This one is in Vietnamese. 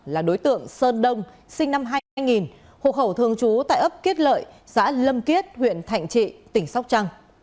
là đối tượng sơn đông sinh năm hai nghìn hộ khẩu thường trú tại ấp kiết lợi xã lâm kiết huyện thạnh trị tỉnh sóc trăng